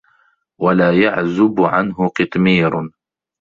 وَلَا يَعْزُبُ عَنْهُ قِطْمِيرٌ